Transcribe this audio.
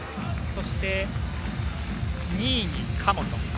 そして２位に神本。